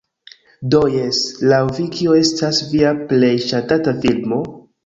Do jes, laŭ vi, kio estas via plej ŝatata filmo?